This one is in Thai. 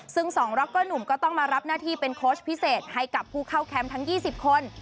ซึ่ง๒ร็อกเกอร์หนุ่มก็ต้องมารับหน้าที่เป็นโค้ชพิเศษให้กับผู้เข้าแคมป์ทั้ง๒๐คน